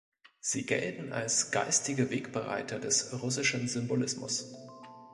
Sie gelten als geistige Wegbereiter des "Russischen Symbolismus".